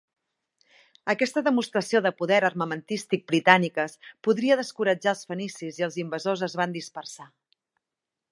Aquesta demostració de poder armamentístic britàniques podria descoratjar els fenicis i els invasors es van dispersar.